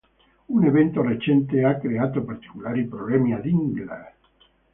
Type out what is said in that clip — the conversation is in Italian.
Un evento recente ha creato particolari problemi a Dingle.